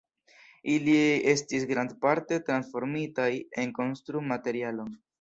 Ili estis grandparte transformitaj en konstru-materialon.